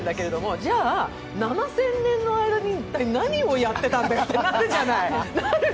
じゃあ、７０００年の間に一体何をやってたんだよってなるじゃない。